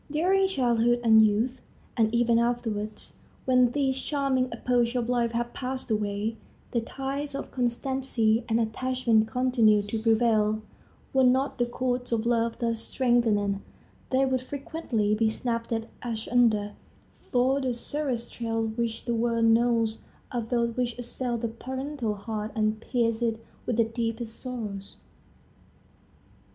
During childhood and youth, and even afterwards, when these charming epochs of life have passed away, the ties of constancy and attachment continue to prevail. Were not the chords of love thus strengthened, they would frequently be snapped asunder; for the severest trials which the world knows are those which assail the parental heart and pierce it with the deepest sorrows.